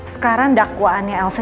sekarang dakwaannya elsa